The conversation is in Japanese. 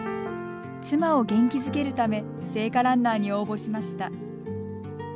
妻を元気づけるため聖火ランナーに応募しました。